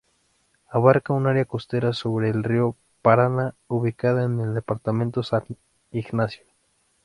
Abarca un área costera sobre el río Paraná ubicada en el departamento San Ignacio.